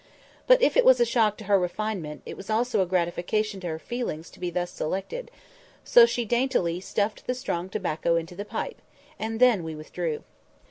But if it was a shock to her refinement, it was also a gratification to her feelings to be thus selected; so she daintily stuffed the strong tobacco into the pipe, and then we withdrew.